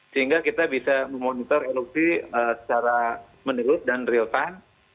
sehingga kita bisa memonitor erupsi secara menurut dan real time